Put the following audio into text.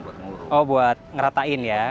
buat nguruk oh buat ngeratain ya